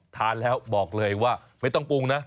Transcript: ทานแล้วบอกเลยว่าไม่ต้องปรุงนะ